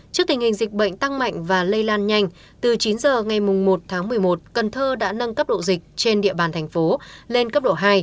trước tình hình dịch bệnh tăng mạnh và lây lan nhanh từ chín giờ ngày một tháng một mươi một cần thơ đã nâng cấp độ dịch trên địa bàn thành phố lên cấp độ hai